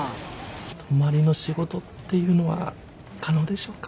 泊まりの仕事っていうのは可能でしょうか？